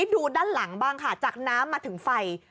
ดูด้านหลังบ้างค่ะจากน้ำมาถึงไฟ